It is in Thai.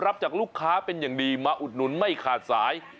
รับจากลูกค้าเป็นอย่างดีมาอุดหนุนไม่ขาดสาย